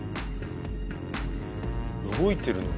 動いてる。